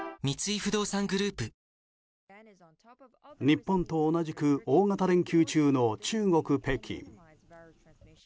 日本と同じく大型連休中の中国・北京。